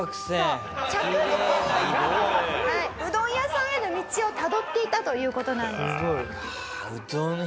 着実にうどん屋さんへの道をたどっていたという事なんです。